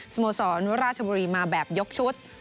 สมสรรรถราชบรีมาแบบยกชุด